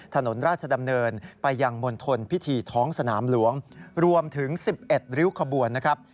ถนนราชดำเนินไปยังมณฑลพิธีท้องสนามหลวงรวมถึง๑๑ริ้วขบวนนะครับ